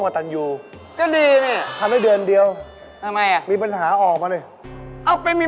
อันจุดที่เกิดเหตุนี่